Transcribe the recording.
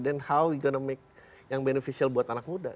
then how you gonna make yang beneficial buat anak muda